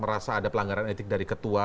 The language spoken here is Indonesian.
merasa ada pelanggaran etik dari ketua